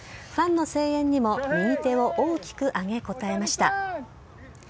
ファンの声援にも右手を大きく上げ応えました。